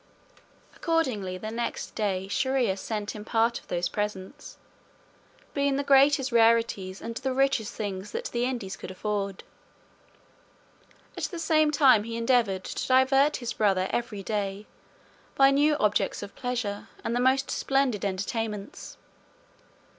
Accordingly the next day Shier ear sent him part of those presents, being the greatest rarities and the richest things that the Indies could afford. At the same time he endeavoured to divert his brother every day by new objects of pleasure, and the most splendid entertainments.